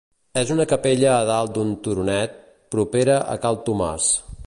És una capella a dalt d'un turonet, propera a Cal Tomàs.